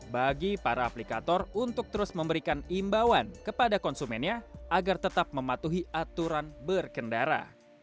bagi para aplikator untuk terus memberikan imbauan kepada konsumennya agar tetap mematuhi aturan berkendara